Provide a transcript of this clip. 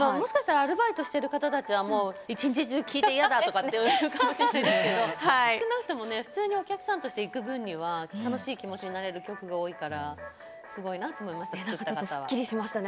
アルバイトしている方たちは一日中聞いて嫌だとか言うかもしれませんけど、少なくとも普通にお客さんとして行く分には楽しい気持ちになれる曲が多いから、すっきりしましたね。